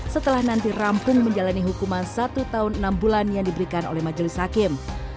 setelah nanti rampung menjalani hukuman satu tahun enam bulan yang diberikan oleh majelis hakim